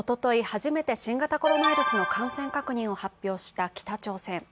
初めて新型コロナウイルスの感染確認を発表した北朝鮮。